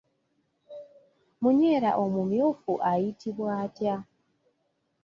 Munyeera omumyufu ayitibwa atya?